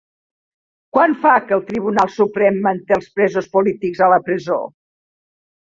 Quant fa que el Tribunal Suprem manté els presos polítics a la presó?